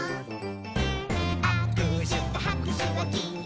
「あくしゅとはくしゅはきっと」